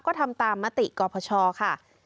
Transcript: ก็ทำตามมติกรพชค่ะ